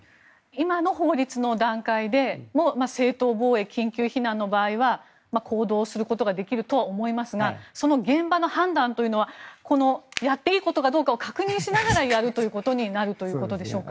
今の法律の段階でも正当防衛、緊急避難の場合は行動することができると思いますが現場の判断というのはこのやっていいことかどうかを確認しながらやるということになるのでしょうか。